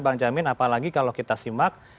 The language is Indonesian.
bang jamin apalagi kalau kita simak